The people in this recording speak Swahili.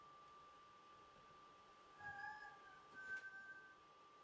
Na kutumbukia katika utumiaji wa dawa za kulevya na